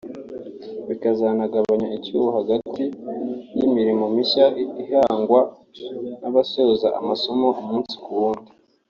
bikazanagabanya icyuho hagati y’imirimo mishya ihangwa n’abasoza amasomo umunsi ku wundi